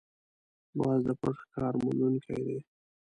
باز د پټ ښکار موندونکی دی